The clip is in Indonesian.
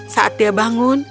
saat dia bangun